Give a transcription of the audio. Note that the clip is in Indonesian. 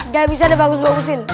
gak bisa dibagus bagusin